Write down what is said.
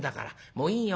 もういいよ